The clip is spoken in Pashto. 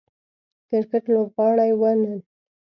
کرکټ لوبغاړو نن